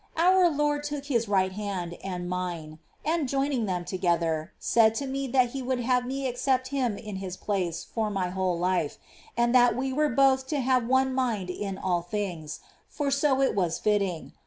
Our Lord took his right hand and mine, and, joining them together, said to me that He would have me accept him in His place for my whole life, and that we were both to have one mind in all things, for so it was fitting.